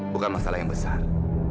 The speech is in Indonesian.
bukan masalah yang besar